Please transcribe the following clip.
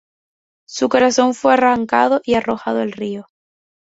Su corazón fue arrancado y arrojado al río.